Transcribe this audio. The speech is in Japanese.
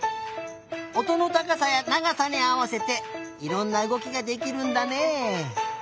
おとのたかさやながさにあわせていろんなうごきができるんだね。